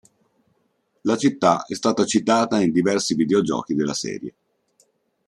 La città è stata citata in diversi videogiochi della serie.